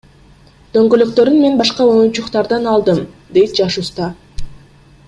Дөңгөлөктөрүн мен башка оюнчуктардан алдым, — дейт жаш уста.